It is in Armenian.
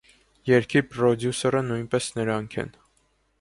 Երգի պրոդյուսերը նույնպես նրանք են։